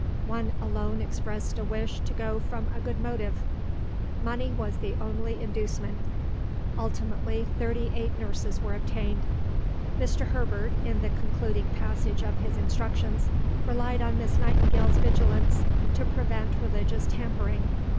One alone expressed a wish to go from a good motive. Money was the only inducement." Ultimately thirty eight nurses were obtained. Stanmore, vol. i. p. 342. Mr. Herbert, in the concluding passage of his Instructions, relied on Miss Nightingale's vigilance to prevent religious "tampering."